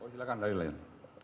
silakan dari lain